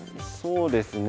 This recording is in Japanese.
そうですねはい。